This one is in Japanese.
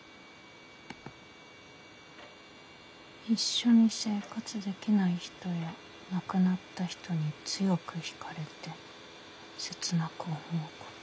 「一緒に生活できない人や亡くなった人に強く惹かれて切なく思うこと。